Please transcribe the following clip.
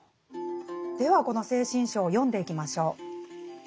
この「精神章」を読んでいきましょう。